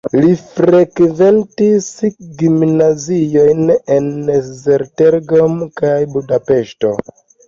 Li frekventis gimnaziojn en Esztergom kaj Budapeŝto.